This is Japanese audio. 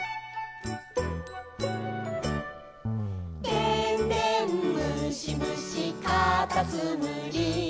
「でんでんむしむしかたつむり」